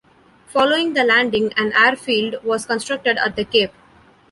Following the landing, an airfield was constructed at the cape.